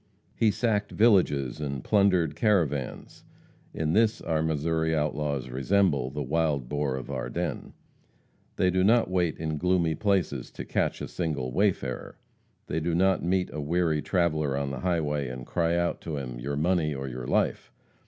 He sacked villages and plundered caravans. In this our Missouri outlaws resemble "The Wild Boar of Ardennes." They do not wait in gloomy places to catch a single wayfarer; they do not meet a weary traveller on the highway and cry out to him, "Your money or your life!"